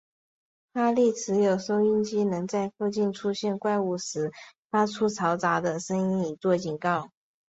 哈利持有的收音机能在附近出现怪物时发出嘈杂的声音以作警告。